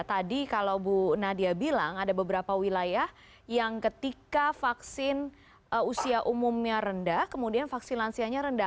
tadi kalau bu nadia bilang ada beberapa wilayah yang ketika vaksin usia umumnya rendah kemudian vaksin lansianya rendah